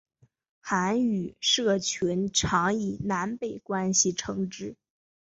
韩语社群常以南北关系称之。